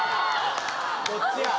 どっちや？